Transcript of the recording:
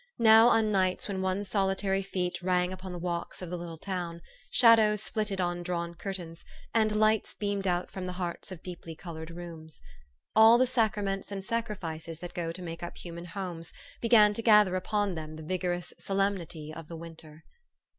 Now, on nights when one's solitary feet rang upon the walks of the little town, shadows flitted on drawn curtains, and lights beamed out from the hearts of deeply colored rooms. All the sacraments and sacrifices that go to make up human homes, began to gather upon them the vigorous solemnity of the winter.